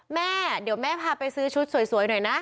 แม่เดี๋ยวแม่พาไปซื้อชุดสวยหน่อยนะ